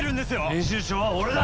編集長は俺だ！